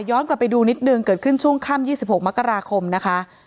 ย้อนกลับไปดูนิดหนึ่งเกิดขึ้นช่วงค่ำยี่สิบหกมกราคมนะคะ